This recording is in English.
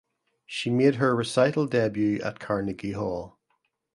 She made her recital debut at Carnegie Hall.